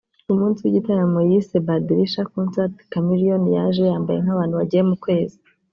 Ku munsi w'igitaramo yise Badilisha Concert Chameleone yaje yambaye nk'abantu bagiye mu kwezi